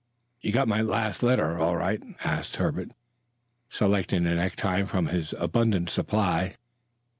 "You got my last letter all right?" asked Herbert, selecting a necktie from his abundant supply.